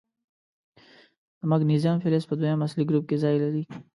د مګنیزیم فلز په دویم اصلي ګروپ کې ځای لري.